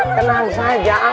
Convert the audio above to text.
kenang saja aman kawan